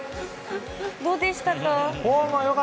どうでしたか？